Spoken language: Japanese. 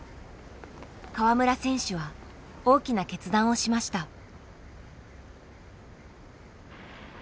川村選手は大きな決断をしました。